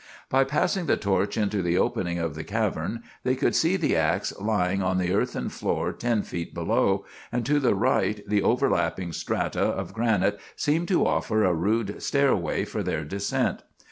By passing the torch into the opening of the cavern they could see the ax lying on the earthen floor ten feet below, and to the right the overlapping strata of granite seemed to offer a rude stairway for their descent.